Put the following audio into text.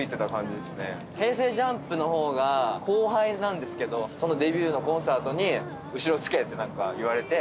ＪＵＭＰの方が後輩なんですけどそのデビューのコンサートに「後ろつけ」って言われて。